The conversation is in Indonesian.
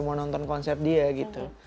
mau nonton konsep dia gitu